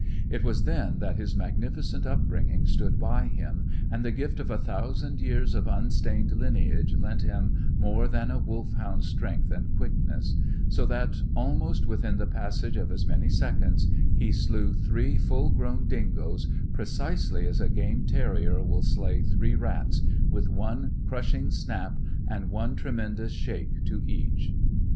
It was then that his magnificent upbringing stood by him, and the gift of a thousand years of unstained lineage lent him more than a Wolfhound's strength and quickness; so that, almost within the passage of as many seconds, he slew three full grown dingoes, precisely as a game terrier will slay three rats, with one crushing snap and one tremendous shake to each.